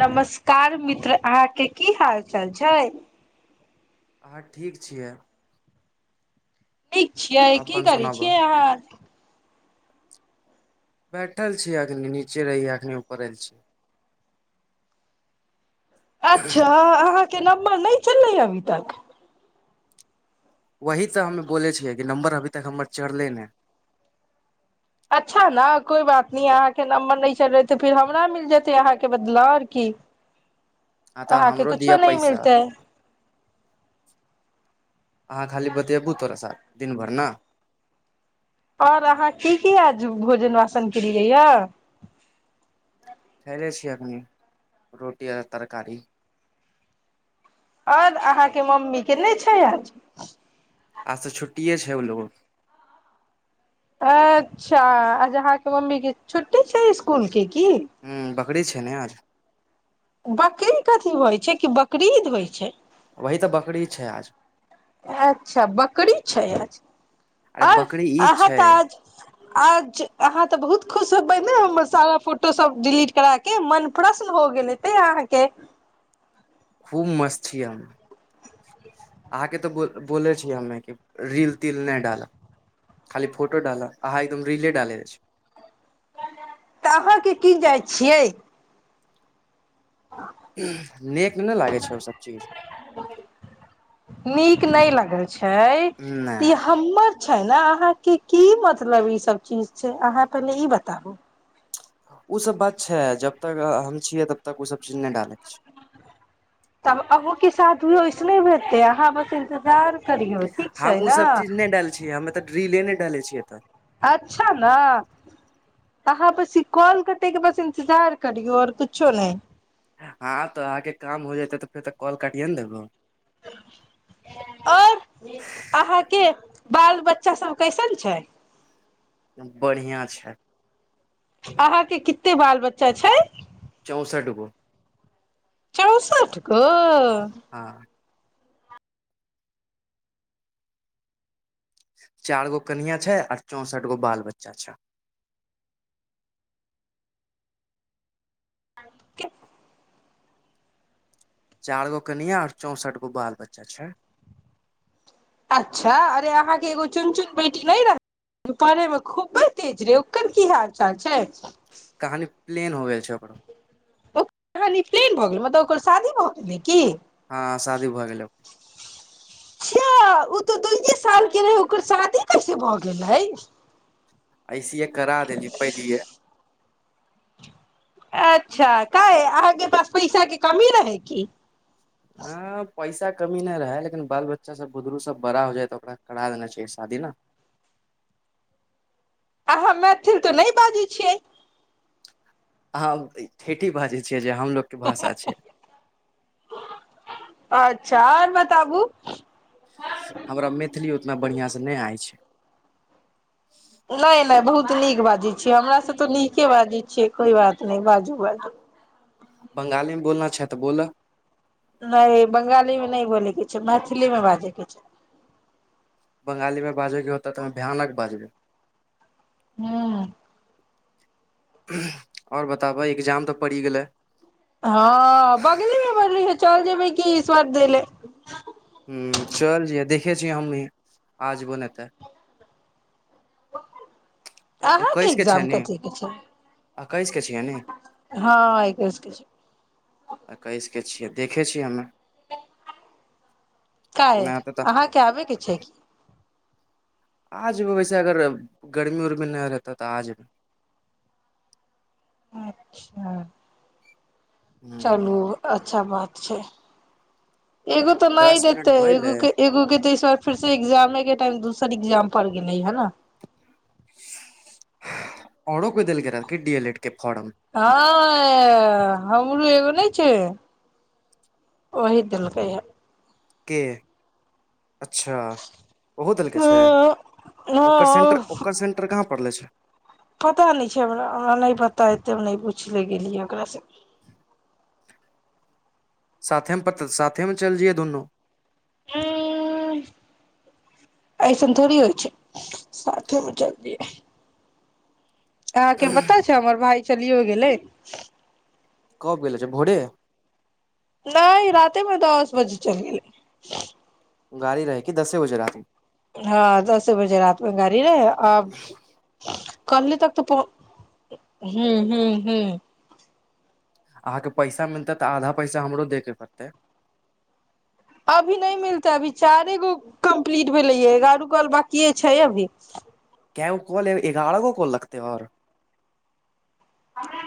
नमस्कार मित्र अहाँके की हालचाल छै अहाँ ठीक छियै ठीक छियै अपन की करै सुनाबह छियै अहाँ बैठल छीियै एखन नीचे रहियै एखन ऊपरल छिय अच्छा अ नम्बर नहि चललै है अभी तक वही तऽ हमे बोलै छियै कि नम्बर अभी तक हमर चढ़ले ने अच्छा ने कोइ बात नहि अहाँके नम्बर नहि चल रहै तऽ फेर हमरा मिल जेतै अहाँके बदला आ की आ तऽ अहाँके हमरो कुछो दिअ नह पैसा मिलते है अहाँ खाली बतियाबू तोरा साथ दिन भरि ने आओर अहाँ की की आज भोजन वासन केलियै यए खे छीिय अपनी रुट आ तरकारी आर अहाँके मम्मी के नहि छै आज आ तऽ छुटए छै ओलो अच्छा आ जहा के मम्मी के छुट्टी छै इसकुल की क ह बकरी छै ने आज बकरी कथी होइ छै कि बकरीद होइ छै वही तऽ बकरी छै आज अच्छा बकरी छै आज अरे आर बकरी ई अहाँ छै तऽ आज आज अहाँ तऽ बहुत खुश हो सारा फोटो सब डिलीट कर के मन प्रसन्न भ गेल हेतै अहाँके खूब मस्त छीिय हम अहाँके तऽ बोल बोलै छियै हमे कि रील तिल नहि डालऽ खाली फोटो डालऽ अहाँ एकदम रीले डालै छी तऽ अहाँके की जाइ छियै नीकमे नहि लागै छै ओसभ चीज त नहि हमर छै ने अहाँके की मतलब ई सब चीज छै अहाँ पहिनेे ई बताबु ओसभ बात छै जब तक हम छियै तब तक ओसभ चीज नहि डालैके छै तब अके सााद भी ओैस नहि हेतै अहाँ बस इन्तजार करियौ ठीक छै हम ओ ने सब चीज नहि डाल छियै हमे तऽ ्रिले नहि डाले छ तऽ अच्छा ने अहाँ बस कॉल करतेके बस इन्तजार करियौ आओर कुछो नहि हँ तऽ अहाँके काम हो जेतै तऽ फेर तऽ कॉल काटिए ने देबौ आओर अहाँके बाल बच्चा सब कैसन छै बढ़िआँ छै अहाँके कते बाल बच्चा छै चौसा टुकु चौसठ ग हँ चार गो कनििया छै आर चौंसठ गो बाल बच्चा छै आ चारि गो कनिआ आर चौंसठि गो बाल बच्चा छै अच्छा अरे अहाँके एगो चुन चुन बेटी नहि रह पढ़ेमे खूबे तेज रहे ओकर की हाल चाल छै कहानी प्लेन हो गेल छै ओकरो फ्लेन भऽ गेलै मतलब ओकर शादी भऽ गेलै की हँ शादी भऽ गेलै छा ओ तऽ दइए साल के रहै ओकर शादी कैसे भऽ गेलै ऐसेे करा देली पहिलिये अ अच्छा क अेास पैसा क कमी रह की ह पैसा कमी नहि रहै लेकिन बाल बच्चा सब बुजरुग सब बड़ा हो जा तऽ ओकरा करा देना चा शादी ने आ हम मैथिल तऽ नहि बाजै छियै अहाँ ठेठी बाजै छी ो भाा छ अच्छा आर बताबु हमरा मैथिली उतना बढ़िआँसँ नहि आइ छै नहि नहि बहुत नीक बाजै छियै हमरा से तऽ नीके बाजै छियै कोइ बात नहि बाजू बाजू बंगालीमे बोलना छै तऽ बोलऽ नहि बंगालीमे नहि बोलैके छै मैथिलीमे बाजैके छै बंगालीमे बाजयके होतऽ तऽ भयानक बाजबै हँ आओर बताबह एग्जाम तऽ पड़ि गेलै हँ बगलेमे बढ़ली ह चार जेबै कि स्वर देै ह चल ज देखै छीिय हम भी आजबो नहि तऽ अहाँके छै एक्जाम ने कथी के छै एकैस के छियै ने हँ देखै छियै देखै छियै हमे नहि क होतै तऽ अहाँके आबै के छै की आजमे वैसे अगर गर्मी उर्मी नहि रहता तऽ आजमे अच्छा हूँ चलू अा अच्छा बात छै एगो तऽ नहि दस मिनट देतै एग भइले के एगो के तऽस बार फेर से एग्जाम दोसर ए्जाम पर गेले हे ने अर हँ ह ब्लू एगो नहि छै ओही देलकै हा के अच्छा ओहो देलके छै ओकर हँ सेन्टर ओकर सेंटर कहाँ पड़ले छै पता नहि छै हमरा हमरा नहि पता एतै हम नहि पूछि लए गेलियै ओकरासँ साथेमे प साथेमे चल जए दुनू ह ऐसन ोड़ होइ छै सामे जल्दी अहाँके पता छै हमर भााय चलिय हो गेलै कब गेलल छै भोरे नहि रातेमे दस बजे चलि गेलै गाड़ी रह की दसे बजे रहती हँ दस बजे रति मे गाड़ी रहै आ कलहि तक तऽ पहु ह ह ह अहाँके पैसा मिलतै तऽ आधा पैसा हमरो दयके पड़तै अभी नहि मिलतै अभी चारे गो कम्प्लीट भेलै एगारह गोल बाकिए छै अभी क्य कल ह एगारह गो कल लगते और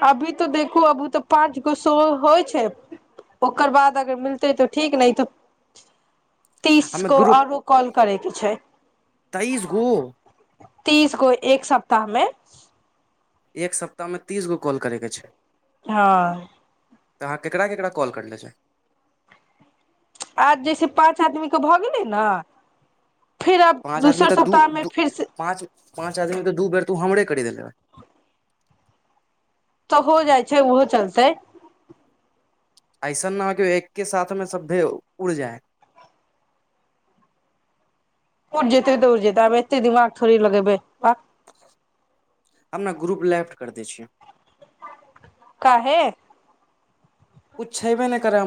अभी तऽ देखू अभी तऽ पाँच गो सो होइ छै ओकर बाद अगर मिलतै तऽ ठीक ने त तीस हमे गो ग्रुप आओरो कॉल करै के छै तेइस गो तीस गो एक सप्ताह मे एक सप्ताहमे तीस गो कॉल करैके छै हँ तऽ अहाँ ककरा ककरा कॉल करने छै आज जैसे पाँच आदमीके भऽ गेलै ने फिर आब पाँच आदमी दोसर तऽ दू सप्ताह मे फिर से पाँच पाँच आदमी तऽ दू बेर र तऽ हो जाइ छै ओहो चलतै ऐसन न हो क एक के साथ हमे शधे उड़ जाए को जेते दौड़ जेतैमे एतेक दिमाग थड़ लगेब हमरा ग्रुप लेफ्ट कर दै छिय काहे ु छै भ नहि करै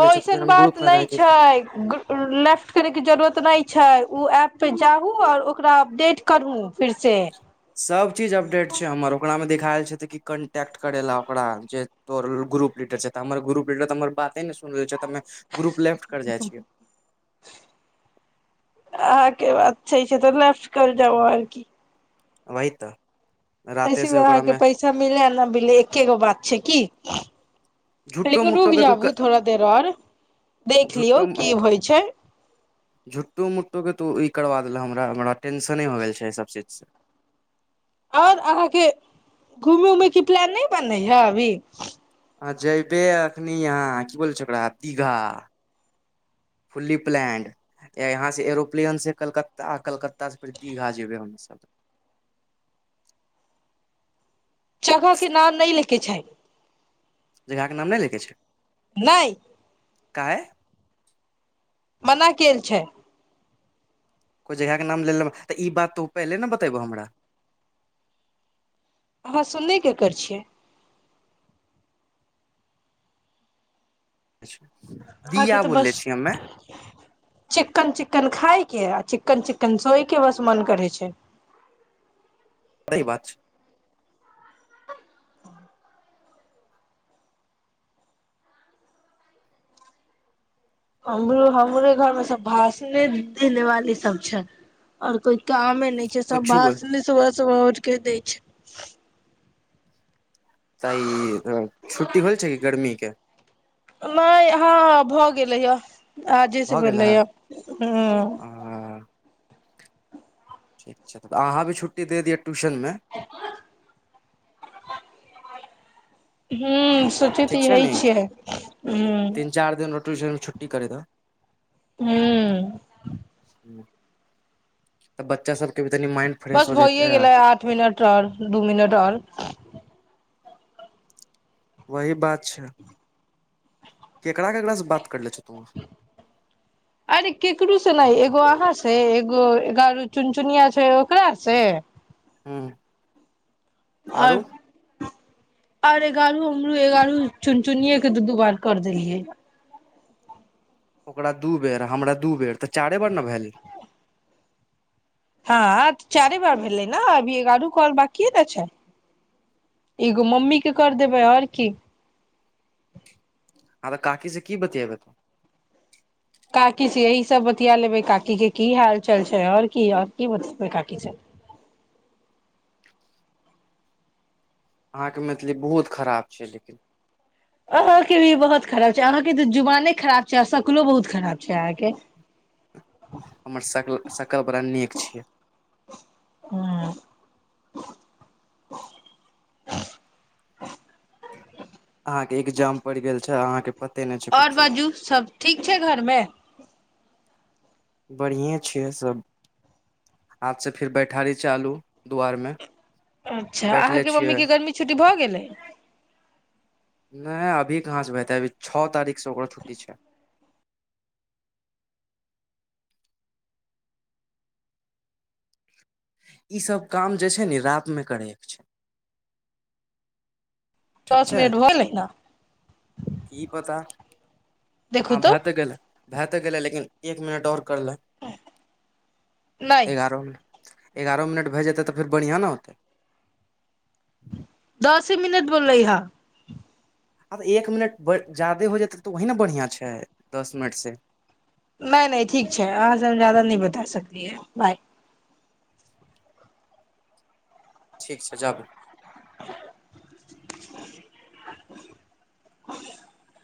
ओ ऐसन बात रह नहि के की छै लेफ्ट करै के जरूरत नहि छै छै ओ एऐपपर जाहू आओर ओकरा अपडेट करू फेरसँ सब चीज अपडेट छै हमर ओकरा मे देख ायल छै कन्ट्ट करे ला ओकरा तो ग्रुप लीडरर ग्रुप लीडर त हमर बाते ग्रुप ले कर छिय के बच छैा ई छै तऽ लेफ्ट कर जाब आकी अहितऽ ऐसे भ अहाँके पैसा मिलै आ नहि मिलै एके गो बात छै की झुट्टो लेकिन मुट्टो रुकि के तू जाबू क- थोड़ा देर आओर देख लियौ झुट्टो की होइ छै तकर बाद लए हमरा बड़रा टेन्शने हो गेल छै एहि सब चीजसँ आओर अहाँके घूमय उमयके प्लान नहि बनै हए अभी ह जैबे अखनी आहा गोलचक्करा दीघा फुली प्लैड य एएहा स एरोप्लेन स कलकत्ता कलकत्ता से दीघा जेबे हम सब जगह के नाम नहि ले के छै जगह के नाम नहि लिखै छै नहि काय मना केल छै कोइ जगहके नाम लेलहु तऽ ई बात तू पहिले ने बतयबहु हमरा अहाँ सुने के कर छियै अहाँके दिया तऽ बोलले बस छीिय हमे चिक्कन चिक्कन खाायके आ चिक्कन चिक्कन सोयके बस मन करै छै ओ बात हमरो हमरे घर मे सब भाषणे देने वाली सब छै और कोइ कामे छै सब भ कुछु बोल सबरके दै छै तऽ ई छुट्टी होल छै कि गर्मी के गेल ले य आजे से भऽ गेल भेलले हे य ह हँ ठीक छै तऽ अहाँ भी छुट्टी दिअ ट्यूशनमे हू सोचे ठीक तऽ छै यही ने छियै ह टूशन छुट्ट करी द हू तऽ बच्चा सबके तनी माइंड फ्रेश बस हो भइए जेतै गेलै आठ मिनट आओर दू मिनट आओर वही बात छै केकरा केकराास से बात करले छ तू अरे केकरकरो से नहि एगो अहाँसँ से एगो एगार चुन चुनिया छै ओकरा से ह्म आरो आर एगारह हमरू एगारह चुन चुने के दू दू बार कर देलियै ओकरा दू बेर हमरा दू बेर तऽ चारे बेर ने भेल हँ चारे बार भेलै ने अभी ए आरो करल बाकिए ने छै एगो मम्मी के कर देबै आओर की हँ तऽ काकी से की बतेबै तू काकी से यही सब बतिया लेबै काकी के की हाल चाल छै आओर की आओर की बतेबै काकी सब अहाँके मैथिली बहुत खराब छै लेकिन अहाँके भी बहुत खराब छै अहाँके तऽ जुबाने खराब छै आ शकलो बहुत खराब छै अहाँके हमर शक शकल बड़ा नीक छियै ह [unintelligible] अहाँके एग्जाम पड़ि गेल छै अहाँके पते नहि छै आओर कुछो बाजू सब ठीक छै घरमे बढ़िए छियै सभ हाथसँ फेर बैठारी चालू दुआरमे अच्छा अहाँके के मम्मी के गर्मी छुटी भ गेलै [unintelligible] नहि अभी कहाँसँ भेतै अभी छओ तारीखसँ ओकररा छुट्टी छै ईसभ काम जे छै ने रतिमे करैके छै ठीक दस छै मिनट भऽ गेलै ने की पता देखू ह तऽ भातकल भात गेलेलै लेकिन एक मिनट ओर के करल नहि एगारह एगारह मिनट भए जेतै तऽ फेर बढ़िआँ ने होतै दस ह मिनट बोलाै हा आ तऽ एक मिनट जा्यदे हो जेतै तऽ वही ने बढ़िआँ छै दस मिनटसँ नहि नहि ठीक छै अहाँसँ हम जादा न बता सकल है बाय ठीक छै जाबू [unintelligible] [unintelligible]